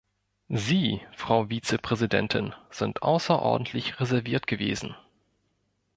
Sie, Frau Vizepräsidentin, sind außerordentlich reserviert gewesen.